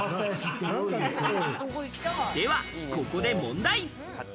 ではここで問題。